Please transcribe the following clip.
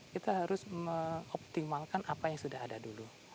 kita harus mengoptimalkan apa yang sudah ada dulu